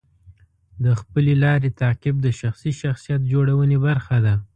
د خپلې لارې تعقیب د شخصي شخصیت جوړونې برخه ده.